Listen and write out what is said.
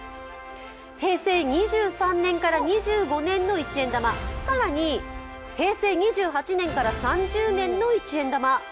平成２３年から２５年の一円玉、更に平成２８年から３０年の一円玉。